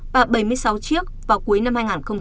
và bảy mươi sáu chiếc vào cuối năm hai nghìn hai mươi